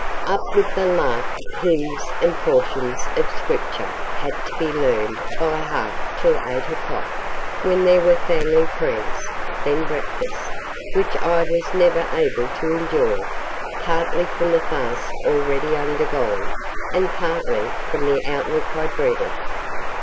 "Up with the lark, hymns and portions of Scripture had to be learned by heart till 8 o'clock, when there were family prayers, then breakfast, which I was never able to enjoy, partly from the fast already undergone, and partly from the outlook I dreaded.